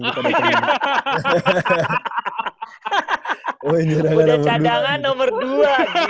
pemain cadangan nomor dua gila